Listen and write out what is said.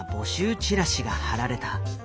チラシが貼られた。